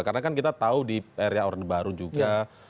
karena kan kita tahu di area orde baru juga